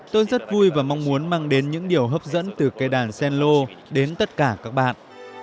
tôi rất vui và mong muốn mang đến những điều hấp dẫn từ cây đàn cello đến tất cả các bạn